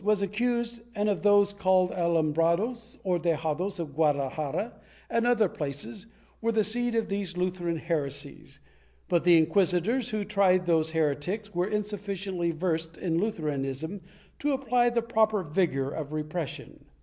was accused and of those called Alumbrados or Dejados of Guadalajara and other places, were the seed of these Lutheran heresies, but the inquisitors who tried those heretics were insufficiently versed in Lutheranism to apply the proper vigor of repression.